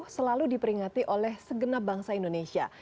selalu diperingati oleh segenap bangsa indonesia